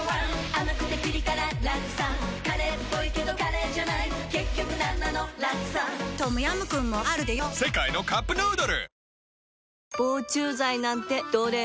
甘くてピリ辛ラクサカレーっぽいけどカレーじゃない結局なんなのラクサトムヤムクンもあるでヨ世界のカップヌードル